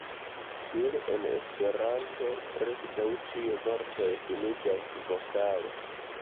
Kiel en Esperanto, preskaŭ ĉiuj vortoj finiĝas vokale.